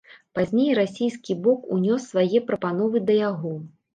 Пазней расійскі бок ўнёс свае прапановы да яго.